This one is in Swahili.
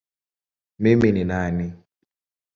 Mimi ni nani?